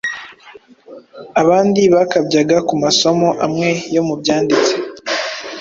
Abandi bakabyaga ku masomo amwe yo mu Byanditswe,